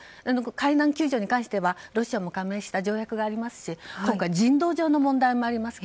海難救助に関してはロシアも加盟している条約もありますし今回は人道上の問題もあります。